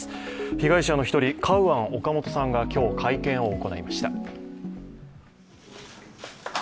被害者の１人カウアン・オカモトさんが今日、会見を行いました。